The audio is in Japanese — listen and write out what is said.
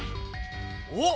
おっ！